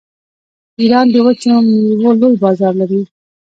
ایران د وچو میوو لوی بازار لري.